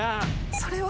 それは。